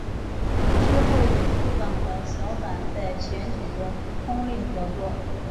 之后与复党的小坂在选举中通力合作。